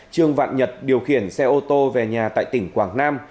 trương vạn nhật điều khiển xe ô tô về nhà tại tỉnh quảng nam